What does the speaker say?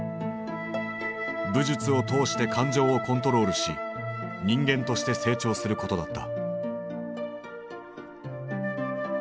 武術を通して感情をコントロールし人間として成長することだった。